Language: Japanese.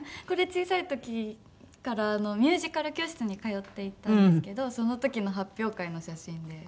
これ小さい時からミュージカル教室に通っていたんですけどその時の発表会の写真で。